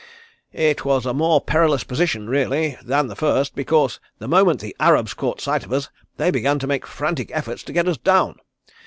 It was a more perilous position really, than the first, because the moment the Arabs caught sight of us they began to make frantic efforts to get us down.